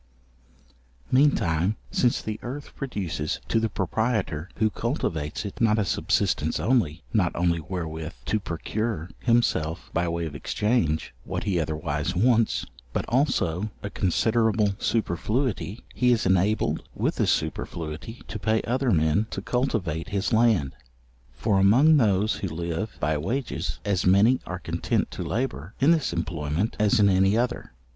Mean time, since the earth produces to the proprietor who cultivates it, not a subsistence only, not only wherewith to procure himself by way of exchange, what he otherwise wants, but also a considerable superfluity; he is enabled with this superfluity, to pay other men to cultivate his land. For among those who live by wages, as many are content to labour in this employment as in any other.